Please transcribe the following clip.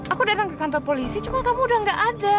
aku datang ke kantor polisi cuma kamu udah gak ada